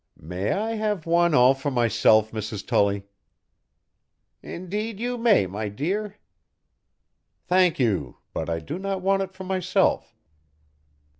"May I have one all for myself, Mrs. Tully?" "Indeed you may, my dear." "Thank you, but I do not want it for myself.